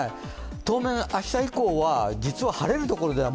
当面、明日以降は実は晴れるところでは